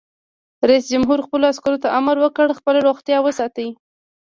رئیس جمهور خپلو عسکرو ته امر وکړ؛ خپله روغتیا وساتئ!